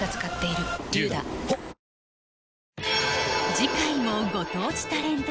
次回もご当地タレント